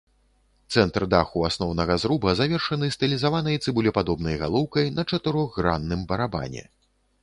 Цэнтр даху асноўнага зруба завершаны стылізаванай цыбулепадобнай галоўкай на чатырохгранным барабане.